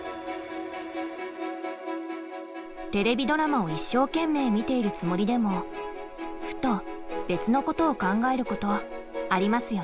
テレビドラマを一生懸命見ているつもりでもふと別のことを考えることありますよね。